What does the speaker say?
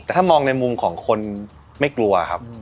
แต่ถ้ามองในมุมของคนไม่กลัวครับ